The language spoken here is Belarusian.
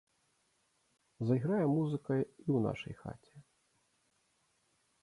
Зайграе музыка і ў нашай хаце.